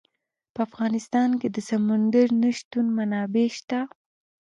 په افغانستان کې د سمندر نه شتون منابع شته.